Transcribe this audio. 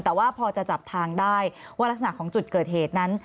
แต่ว่าพอจะจับทางได้ว่ารักษณะของจุดเกิดเหตุนั้น